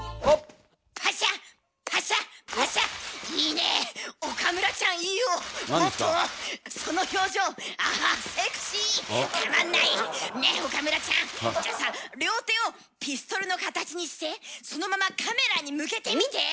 ねえ岡村ちゃんじゃあさ両手をピストルの形にしてそのままカメラに向けてみて。